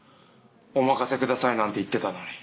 「お任せください」なんて言ってたのに。